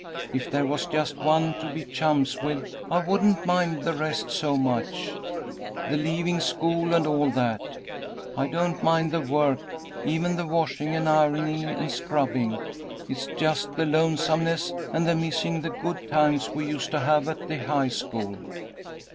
If there was just one to be chums with I wouldn't mind the rest so much, the leaving school and all that. I don't mind the work, even the washing and ironing and scrubbing, it's just the lonesomeness, and the missing the good times we used to have at the high school.